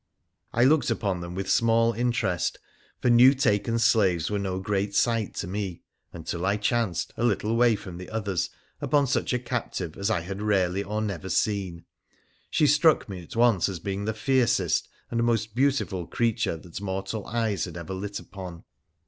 I looked upon them with small interest, for new taken slaves were no great sight to me, until I chanced, a little way from the others, upon such a captive as I had rarely or never seen. She struck me at once as being the fiercest and most beautiful creature that mortal eyes had ever lit upon.